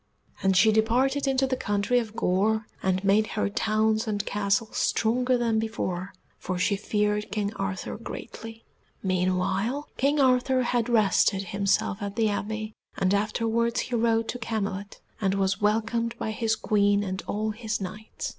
And she departed into the country of Gore, and made her towns and castles stronger than before, for she feared King Arthur greatly. Meanwhile King Arthur had rested himself at the Abbey, and afterwards he rode to Camelot, and was welcomed by his Queen and all his Knights.